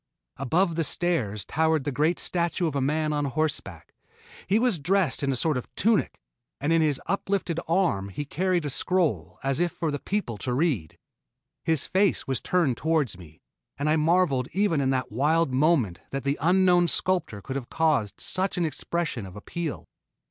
Above the stairs towered the great statue of a man on horseback. He was dressed in a sort of tunic, and in his uplifted arm he carried a scroll as if for the people to read. His face was turned toward me, and I marveled even in that wild moment that the unknown sculptor could have caught such an expression of appeal.